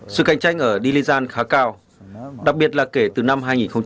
sự cạnh tranh ở dilijan khá cao đặc biệt là kể từ năm hai nghìn một mươi